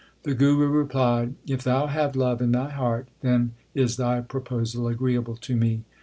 The Guru replied, If thou have love in thy heart, then is thy pro posal agreeable to me.